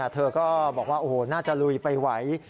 เธอก็บอกว่าโอ้โหน่าจะลุยไปไหว